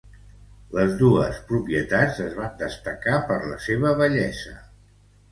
Les dos propietats es van destacar per la seua bellesa.